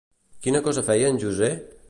Quina cosa feia en José?